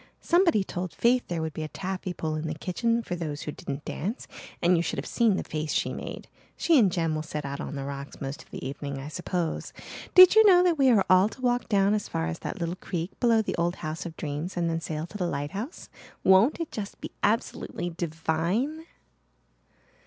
Somebody told Faith there would be a taffy pull in the kitchen for those who didn't dance and you should have seen the face she made. She and Jem will sit out on the rocks most of the evening, I suppose. Did you know that we are all to walk down as far as that little creek below the old House of Dreams and then sail to the lighthouse? Won't it just be absolutely divine?"